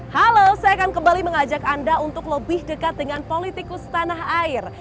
halo saya akan kembali mengajak anda untuk lebih dekat dengan politikus tanah air